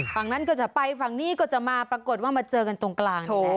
ฝั่งนั้นก็จะไปฝั่งนี้ก็จะมาปรากฏว่ามาเจอกันตรงกลางนี่แหละ